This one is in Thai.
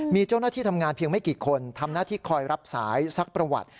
มีเจ้าหน้าที่ทำงานเพียงไม่กี่คนทำหน้าที่คอยรับสายซักประวัติ